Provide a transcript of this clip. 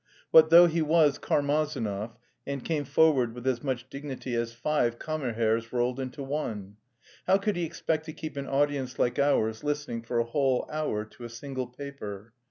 What though he was Karmazinov, and came forward with as much dignity as five Kammerherrs rolled into one? How could he expect to keep an audience like ours listening for a whole hour to a single paper?